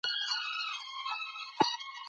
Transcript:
انسان سپوږمۍ ته ورسېد.